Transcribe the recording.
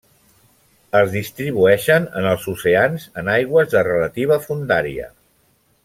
Es distribueixen en els oceans, en aigües de relativa fondària.